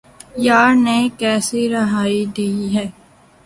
یار نے کیسی رہائی دی ہے